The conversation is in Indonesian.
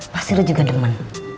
pasti lu juga demen